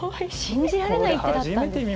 信じられない一手だったんです。